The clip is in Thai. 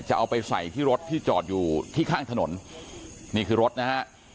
เอาไปใส่ที่รถที่จอดอยู่ที่ข้างถนนนี่คือรถนะฮะ